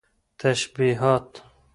تشبيهات